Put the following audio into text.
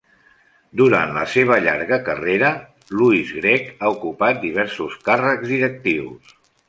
Durant la seva llarga carrera, Louis Grech ha ocupat diversos càrrecs directius.